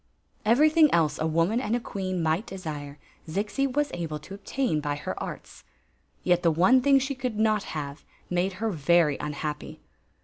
Ev^ytliing else a woman and a queen might desire Zixi was able to obtain by her arts. Yet the one thing she could nof have made her very unhappy.